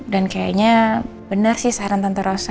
dan kayaknya benar sih saran tante rosa